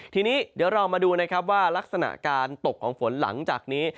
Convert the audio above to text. ทีนี้เดี๋ยวเรามาดูนะครับว่ารักษณะการตกของฝนหลังจากนี้